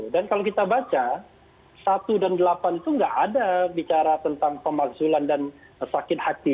dan kalau kita baca satu dan delapan itu nggak ada bicara tentang pemaksulan dan sakit hati